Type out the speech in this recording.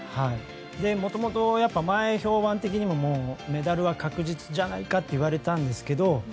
もともと、前評判的にもメダルは確実じゃないかといわれたんですけど。